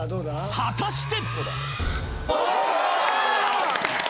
果たして！？